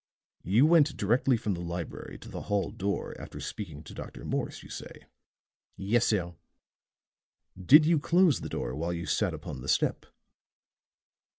"You went directly from the library to the hall door after speaking to Dr. Morse, you say?" "Yes, sir." "Did you close the door while you sat upon the step?"